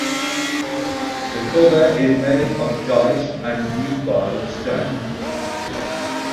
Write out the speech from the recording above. The cover is made of dice and nubile stone.